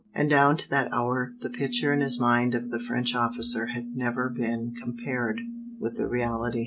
And down to that hour the picture in his mind of the French officer had never been compared with the reality.